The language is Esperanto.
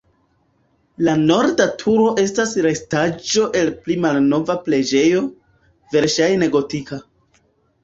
La norda turo estas restaĵo el pli malnova preĝejo, verŝajne gotika.